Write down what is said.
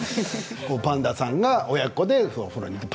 パンダさんが親子でお風呂に行きます。